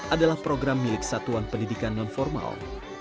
adalah program milik satuan pendidikan non formal